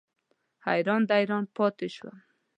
حیران دریان پاتې شوم.